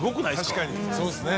確かにそうですね。